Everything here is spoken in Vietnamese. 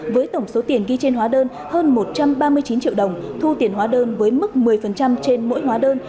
với tổng số tiền ghi trên hóa đơn hơn một trăm ba mươi chín triệu đồng thu tiền hóa đơn với mức một mươi trên mỗi hóa đơn